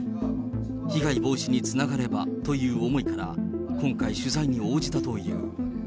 被害防止につながればという思いから、今回取材に応じたという。